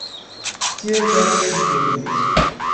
Tio estas kriterio!